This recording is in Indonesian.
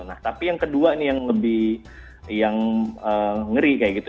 nah tapi yang kedua nih yang lebih yang ngeri kayak gitu